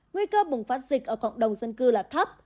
nguy cơ bùng phát dịch ở cộng đồng dân cư là thấp